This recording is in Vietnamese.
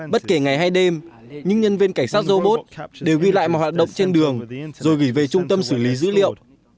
bất kể ngày hay đêm những nhân viên cảnh sát robot đều ghi lại một hoạt động trên đường rồi gửi về trung tâm xử lý dữ liệu